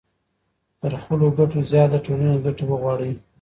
تر خپلو ګټو زيات د ټولني ګټې وغواړئ.